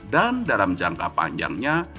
dan dalam jangka panjangnya